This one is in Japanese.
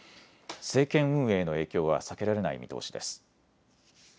政権運営への影響は避けられない見通しです。